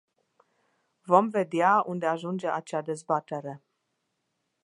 Vom vedea unde ajunge acea dezbatere.